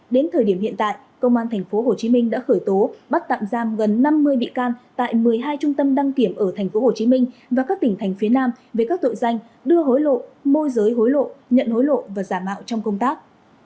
đến thời điểm hiện tại công an tp hcm đã khởi tố bắt tạm giam gần năm mươi bị can tại một mươi hai trung tâm đăng kiểm ở tp hcm và các tỉnh thành phía nam về các tội danh đưa hối lộ môi giới hối lộ nhận hối lộ và giả mạo trong công tác